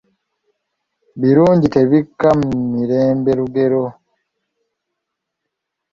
Birungi tebikka mirembe lugero